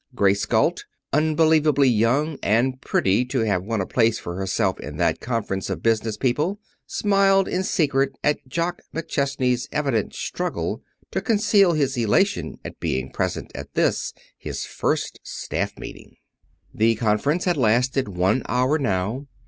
Grace Galt, unbelievably young and pretty to have won a place for herself in that conference of business people, smiled in secret at Jock McChesney's evident struggle to conceal his elation at being present at this, his first staff meeting. The conference had lasted one hour now.